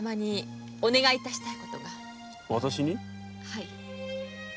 はい。